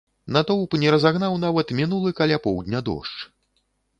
Натоўп не разагнаў нават мінулы каля поўдня дождж.